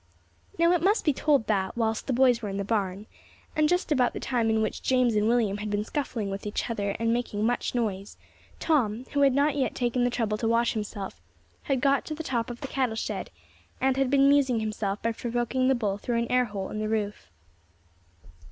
Now it must be told that, whilst the boys were in the barn, and just about the time in which James and William had been scuffling with each other and making much noise, Tom, who had not yet taken the trouble to wash himself, had got to the top of the cattle shed, and had been amusing himself by provoking the bull through an air hole in the roof.